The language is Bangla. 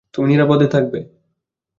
তুমি নিরাপদে থাকবে।